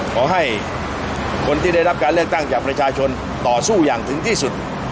ขอให้คนที่ได้รับการเลือกตั้งจากประชาชนต่อสู้อย่างถึงที่สุด